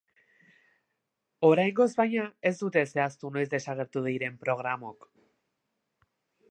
Oraingoz, baina, ez dute zehaztu noiz desagertu diren programok.